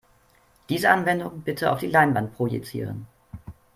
Diese Anwendung bitte auf die Leinwand projizieren.